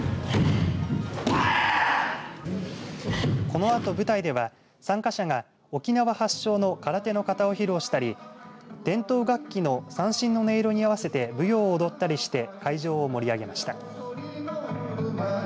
このあと舞台では参加者が沖縄発祥の空手の型を披露したり伝統楽器の三線の音色に合わせて舞踊を踊ったりして会場を盛り上げました。